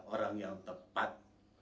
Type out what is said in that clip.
orang yang tepat